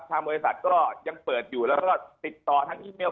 ข้างบริษัทยังเปิดอยู่และติดต่อทางอีเมล